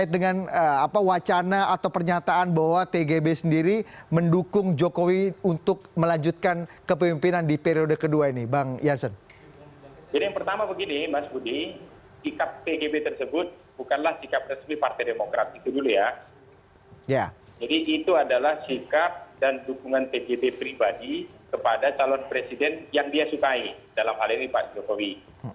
dan dukungan tgb pribadi kepada calon presiden yang dia sukai dalam hal ini pak jokowi